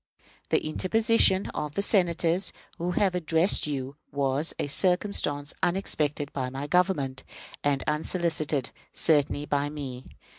The interposition of the Senators who have addressed you was a circumstance unexpected by my government, and unsolicited certainly by me.